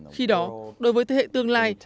khi đó đối với thế hệ tương lai